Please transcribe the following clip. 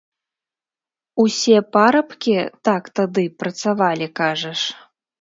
Усе парабкі так тады працавалі, кажаш?